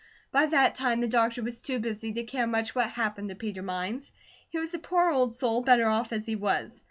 By that time the doctor was too busy to care much what happened to Peter Mines; he was a poor old soul better off as he was.